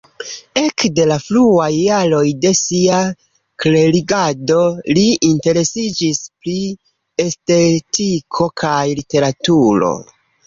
Ekde la fruaj jaroj de sia klerigado li interesiĝis pri estetiko kaj literaturo.